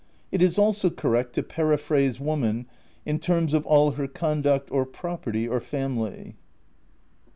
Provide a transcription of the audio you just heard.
It is also correct to periphrase woman in terms of all her conduct or property or family.